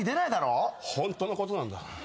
ホントのことなんだ。